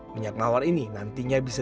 minyak mawar ini nantinya bisa